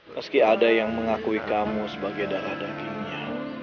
meski ada yang mengakui kamu sebagai darah dagingnya